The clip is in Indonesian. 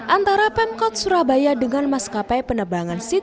antara pemkot surabaya dengan maskapai penerbangan city